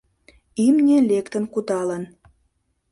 Имне лектын кудалын...